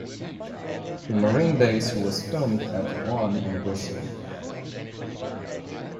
The Marine Base was filmed at Bond University.